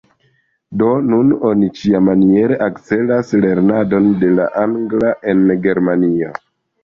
Do nun oni ĉiamaniere akcelas lernadon de la angla en Germanio.